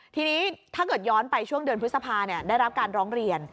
ทีนี้ถ้าเกิดย้อนไปช่วงเดือนพฤษภาได้รับการร้องเรียน